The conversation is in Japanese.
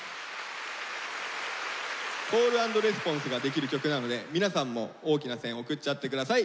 コール＆レスポンスができる曲なので皆さんも大きな声援を送っちゃってください。